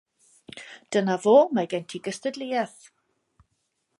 Dyna fo, mae gen ti gystadleuaeth.